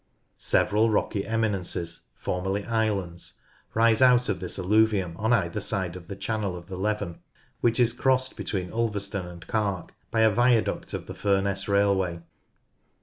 Several rocky eminences, formerly islands, rise out of this alluvium on either side of the channel of the Leven, which is crossed between Ulverston and Cark by a viaduct of the Furness railway.